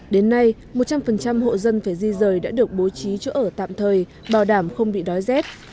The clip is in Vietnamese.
đến nay một trăm linh hộ dân phải di rời đã được bố trí chỗ ở tạm thời bảo đảm không bị đói rét